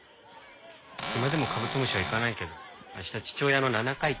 暇でもカブトムシは行かないけど明日父親の七回忌。